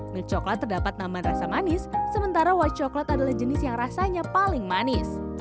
mie coklat terdapat nambah rasa manis sementara white coklat adalah jenis yang rasanya paling manis